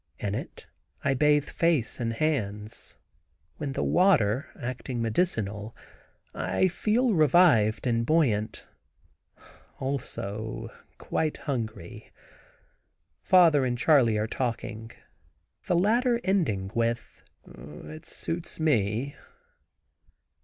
In it I bathe face and hands, when the water, acting medicinal, I feel revived and buoyant, also quite hungry. Father and Charley are talking, the latter ending with "It suits me."